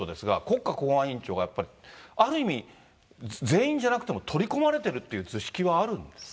国家公安委員長がやっぱりある意味、全員じゃなくても取り込まれているという図式はあるんです？